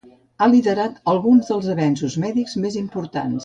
Ha liderat alguns dels avenços mèdics més importants.